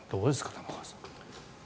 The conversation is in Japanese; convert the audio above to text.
玉川さん。